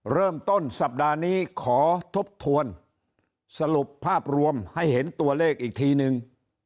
เริ่มต้นสัปดาห์นี้ขอทบทวนสรุปภาพรวมให้เห็นตัวเลขอีกทีนึง